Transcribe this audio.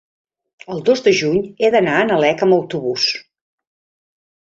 el dos de juny he d'anar a Nalec amb autobús.